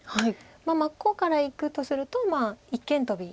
真っ向からいくとすると一間トビ。